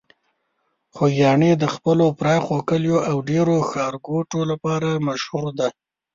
خوږیاڼي د خپلو پراخو کليو او ډیرو ښارګوټو لپاره مشهور ده.